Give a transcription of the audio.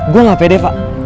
gue gak pede pak